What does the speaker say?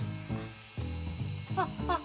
あっあっ